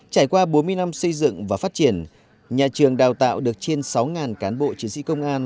trải qua bốn mươi năm xây dựng và phát triển nhà trường đào tạo được trên sáu cán bộ chiến sĩ công an